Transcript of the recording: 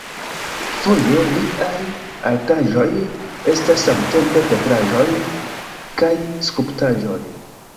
Foje liaj artaĵoj estas samtempe pentraĵoj kaj skulptaĵoj.